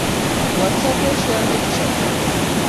WhatsApp এ share হচ্ছে।